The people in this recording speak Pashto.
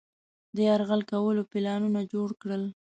د یرغل کولو پلانونه جوړ کړل.